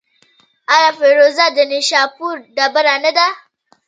آیا فیروزه د نیشاپور ډبره نه ده؟